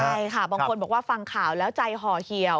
ใช่ค่ะบางคนบอกว่าฟังข่าวแล้วใจห่อเหี่ยว